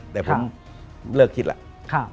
แต่ผมเลิกคิดแล้ว